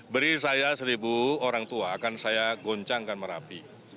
beri saya seribu orang tua akan saya goncangkan merapi